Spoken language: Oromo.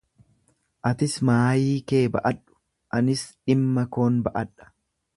Atis maayii kee ba'adhu anis dhimma koon ba'adha.